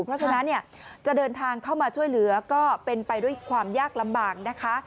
เพราะฉะนั้นเนี่ยจะเดินทางเข้ามาช่วยเหลือก็เป็นไปด้วยความยากลำบากนะคะ